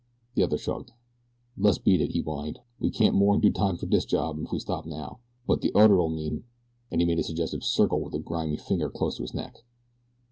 The other shrugged. "Le's beat it," he whined. "We can't more'n do time fer dis job if we stop now; but de udder'll mean " and he made a suggestive circle with a grimy finger close to his neck.